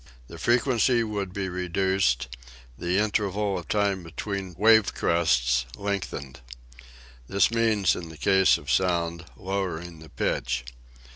The fre quency would be reduced ; the interval of time between wave crests lengthened. This means, in the case of sound, lowering the pitch.